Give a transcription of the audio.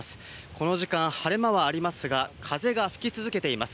この時間、晴れ間はありますが、風が吹き続けています。